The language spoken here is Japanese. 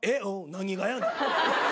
何がやねん。